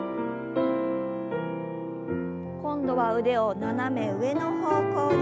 今度は腕を斜め上の方向に。